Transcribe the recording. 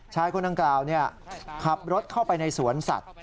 ชายคนดังกล่าวขับรถเข้าไปในสวนสัตว์